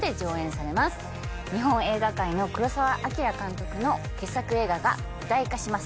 日本映画界の黒澤明監督の傑作映画が舞台化します。